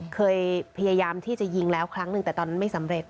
พยายามที่จะยิงแล้วครั้งหนึ่งแต่ตอนนั้นไม่สำเร็จ